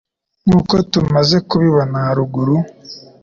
Nkuko tumaze kubibona harugu